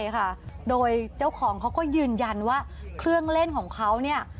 ใช่ค่ะโดยเจ้าของเขาก็ยืนยันว่าเครื่องเล่นของเขาเนี่ย